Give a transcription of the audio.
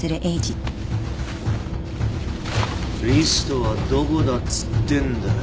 リストはどこだっつってんだよ